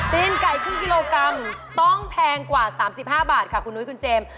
ตีนไก่ครึ่งกิโลกรัมต้องแพงกว่า๓๕บาทค่ะคุณนุ้ยคุณเจมส์